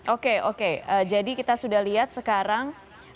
oke oke jadi kita sudah lihat sekarang